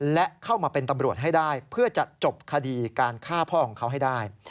และเข้ามาเป็นตำรวจให้ได้เพื่อจะจบคดีการฆ่าพ่อของเขาให้ได้